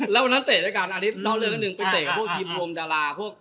แล้ววันนั้นเตะด้วยกันน้องเลือนกันหนึ่งไปเตะกันกับพวกทีมรวมดาราพวก